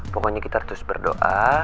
pokoknya kita harus berdoa